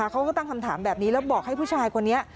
เขาก็ตั้งคำถามแบบนี้แล้วบอกให้ผู้ชายคนนี้